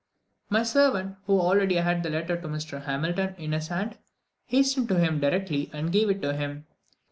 My servant, who already had the letter to Mr. Hamilton in his hand, hastened to him directly, and gave it to him.